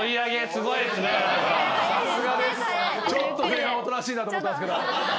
前半おとなしいなと思ったんですけど。